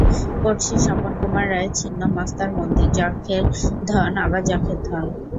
পড়ছি স্বপন কুমার রায়ের ছিন্ন মস্তার মন্দির, যখের ধন, আবার যখের ধন।